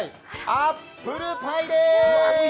アップルパイです。